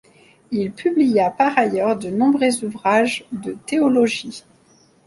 Il publia par ailleurs de nombreux ouvrages de théologie.